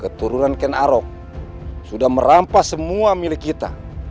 keturunan ken arok sudah merampas semua milik kita